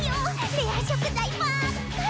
レア食材ばっかり！